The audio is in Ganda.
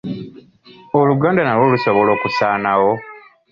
Oluganda nalwo lusobola okusaanawo?